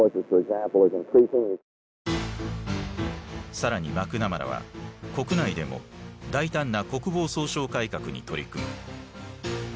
更にマクナマラは国内でも大胆な国防総省改革に取り組む。